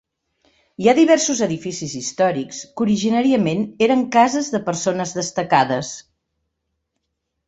Hi ha diversos edificis històrics que originàriament eren cases de persones destacades.